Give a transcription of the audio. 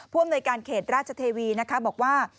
ผู้อำนวยการเขตราชเทวีบอกว่า